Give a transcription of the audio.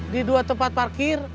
di dua tempat parkir